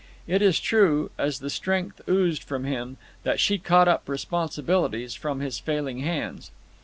It is true, as the strength oozed from him, that she caught up responsibilities from his failing hands.